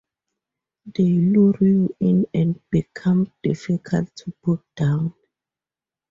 They lure you in and become difficult to put down.